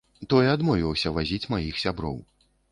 Той адмовіўся вазіць маіх сяброў.